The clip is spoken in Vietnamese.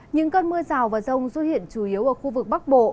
những cơn mưa rào và rông xuất hiện chủ yếu ở khu vực bắc bộ